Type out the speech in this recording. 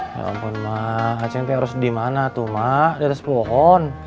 ya ampun mah hacentnya harus dimana tuh mah di atas pohon